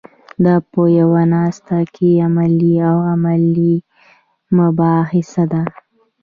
دا په یوه ناسته کې عملي او علمي مباحثه ده.